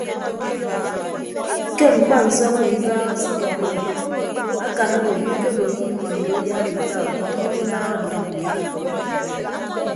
Ke mkpansọñ odo ibaaha se ibọọrọ enye akan odo enye akebo ke imọ ido ayaara ita ọkpọk imaaha ndʌñ ndiana.